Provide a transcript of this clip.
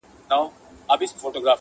ما پرون د ګل تصویر جوړ کړ ته نه وې!